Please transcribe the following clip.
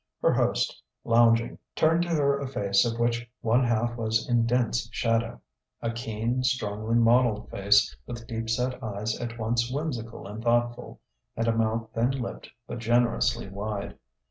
Her host, lounging, turned to her a face of which one half was in dense shadow: a keen, strongly modelled face with deep set eyes at once whimsical and thoughtful, and a mouth thin lipped but generously wide.